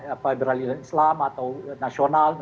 apa beralih islam atau nasional